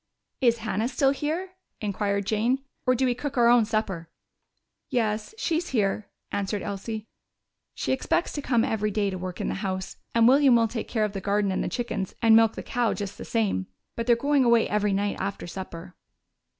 "Is Hannah still here?" inquired Jane. "Or do we cook our own supper?" "Yes, she's here," answered Elsie. "She expects to come every day to work in the house, and William will take care of the garden and the chickens and milk the cow just the same. But they're going away every night after supper."